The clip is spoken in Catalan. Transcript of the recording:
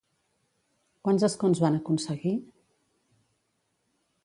Quants escons van aconseguir?